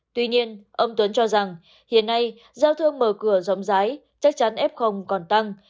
tuy nhiên ông tuấn cho rằng hiện nay giao thương mở cửa rộng rái chắc chắn f còn tăng